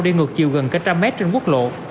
đi ngược chiều gần cả trăm mét trên quốc lộ